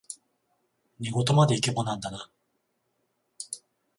寝言までイケボなんだな